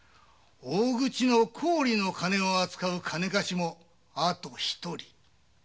大口の高利の金を扱う金貸しもあと一人。